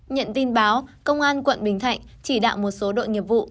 nhận tin báo công an quận bình thạnh chỉ đạo một số đội nghiệp vụ